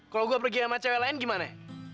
kalau gue pergi sama cewek lain gimana ya